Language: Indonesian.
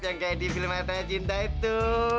yang kayak di film ayat tanya cinta itu